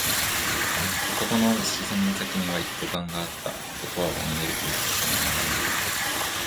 男の視線の先には一斗缶があった。男はぼんやりと一斗缶を眺めていた。